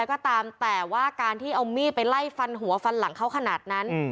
ก็ตามแต่ว่าการที่เอามีดไปไล่ฟันหัวฟันหลังเขาขนาดนั้น